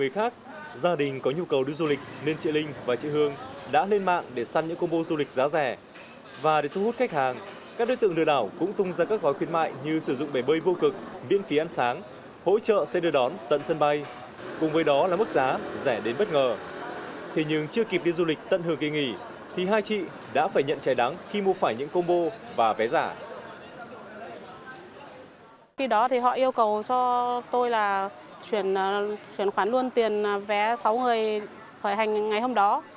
khi đó thì họ yêu cầu cho tôi là chuyển khoản luôn tiền vé sáu người khởi hành ngày hôm đó